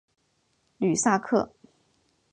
吕萨克。